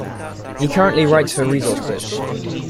He currently writes for Resource Clips.